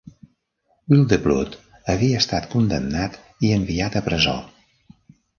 Wildeblood havia estat condemnat i enviat a presó..